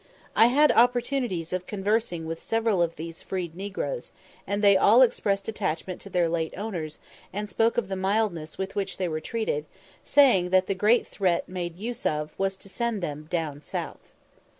I had opportunities of conversing with several of these freed negroes, and they all expressed attachment to their late owners, and spoke of the mildness with which they were treated, saying that the great threat made use of was to send them "down south."